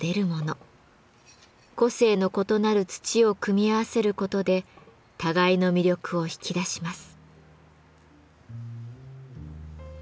個性の異なる土を組み合わせることで互いの魅力を引き出します。